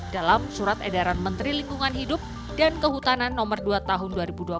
dalam surat edaran menteri lingkungan hidup dan kehutanan no dua tahun dua ribu dua puluh